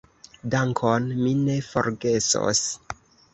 Dankon, mi ne forgesos.